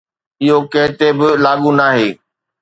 اهو ڪنهن تي به لاڳو ناهي.